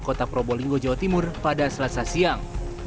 kota probolinggo jawa timur pada selasa siang